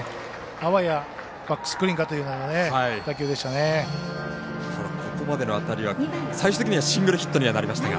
あわやバックスクリーンかというような打球でしたね。